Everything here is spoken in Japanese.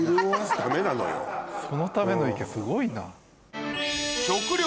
そのための池すごいな。